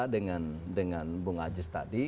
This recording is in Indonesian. dengan bunga ajis tadi